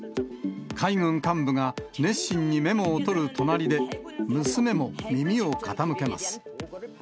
海軍幹部が熱心にメモを取る隣で、娘も耳を傾けます。